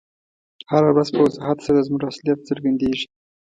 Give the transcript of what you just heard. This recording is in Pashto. هره ورځ په وضاحت سره زموږ اصلیت څرګندیږي.